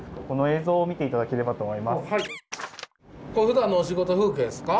この映像を見ていただければと思います。